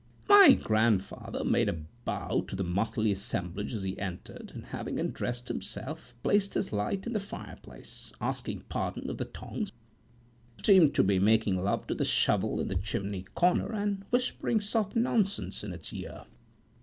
My grandfather made a bow to the motley assemblage as he entered, and having undressed himself, placed his light in the fire place, asking pardon of the tongs, which seemed to be making love to the shovel in the chimney corner, and whispering soft nonsense in its ear.